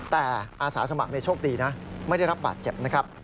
แต่อาสาสมัครโชคดีนะไม่ได้รับบาดเจ็บนะครับ